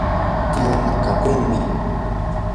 tiyaa nakakuqmi.